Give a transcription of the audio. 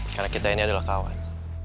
karena kita ini adalah kawan